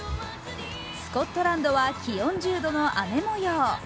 スコットランドは気温１０度の雨もよう。